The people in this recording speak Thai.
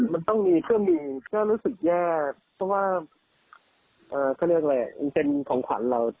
มันต้องมีเครื่องบินก็รู้สึกแย่เพราะว่าเขาเรียกอะไรเป็นของขวัญเรา